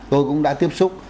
tôi cũng đã tiếp xúc